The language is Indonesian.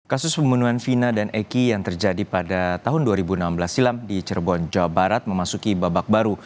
kasus pembunuhan vina dan eki yang terjadi pada tahun dua ribu enam belas silam di cirebon jawa barat memasuki babak baru